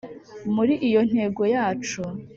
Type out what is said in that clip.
muri iyo ntego yacu,